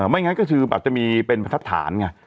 ไม่งั้นก็คืออาจจะมีเป็นทัศน